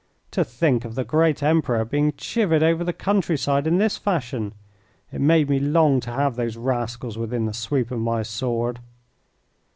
To think of the great Emperor being chivvied over the country side in this fashion! It made me long to have these rascals within the sweep of my sword.